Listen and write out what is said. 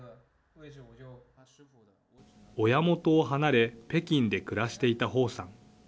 親元を離れ、北京で暮らしていた彭さん。